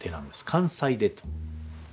関西手と。